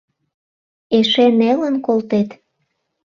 Эше нелын колтет.